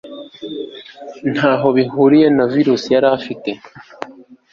ntaho bihuriye na virusi yarafite